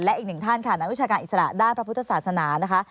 และอีกหนึ่งท่านค่ะนักวิชาการอิสระด้านพระพุทธศาสนานะคะ